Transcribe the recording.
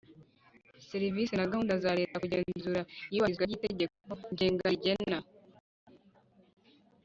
serivisi na gahunda za Leta kugenzura iyubahirizwa ry itegeko ngenga rigena